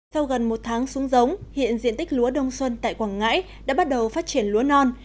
sau gần một tháng xuống giống hiện diện tích lúa đông xuân tại quảng ngãi đã bắt đầu phát triển lúa non